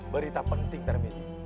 berita penting termini